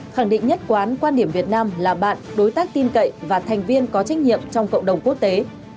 khẳng định nhất quán quan điểm việt nam là bạn đối tác tin cậy và thành viên có trách nhiệm trong cộng đồng quốc tế